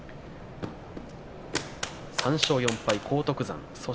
３勝４敗、荒篤山。